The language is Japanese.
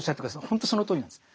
ほんとそのとおりなんです。